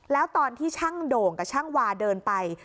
แล้วตอนที่ช่างโด่งกับช่างวาเดินไป